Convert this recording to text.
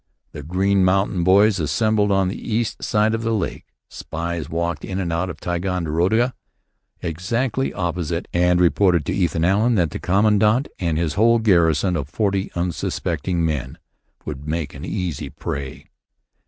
The Green Mountain Boys assembled on the east side of the lake. Spies walked in and out of Ticonderoga, exactly opposite, and reported to Ethan Allen that the commandant and his whole garrison of forty unsuspecting men would make an easy prey.